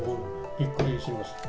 びっくりしました。